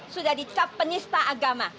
sudah dicap penyista agama